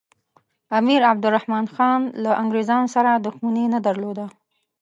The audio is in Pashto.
امیر عبدالرحمن خان له انګریزانو سره دښمني نه درلوده.